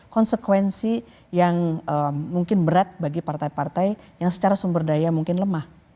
konsekuensi yang mungkin berat bagi partai partai yang secara sumber daya mungkin lemah